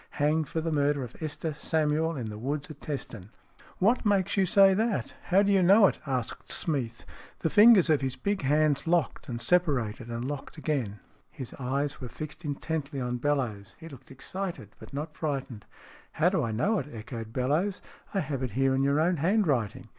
Hanged for the murder of Esther Samuel in the woods at Teston." VI "WHAT makes you say that? How do you know it?" asked Smeath. The fingers of his big hands locked and separated and locked again. His eyes were STORIES IN GREY fixed intently on Bellowes. He looked excited, but not frightened. " How do I know it ?" echoed Bellowes. " I have it here in your own handwriting."